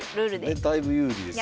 だいぶ有利ですよ。